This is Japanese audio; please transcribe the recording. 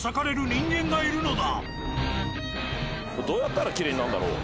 どうやったら綺麗になるんだろう。